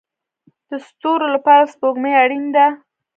د ستورو لپاره سپوږمۍ اړین ده